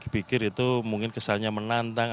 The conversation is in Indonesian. pikir itu mungkin kesannya menantang